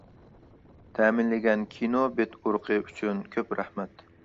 تەمىنلىگەن كىنو بىت ئۇرۇقى ئۈچۈن كۆپ رەھمەت!